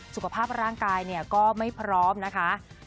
สุขภาพร่างกายเนี่ยก็ไม่พร้อมนะคะ